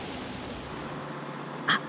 あっ！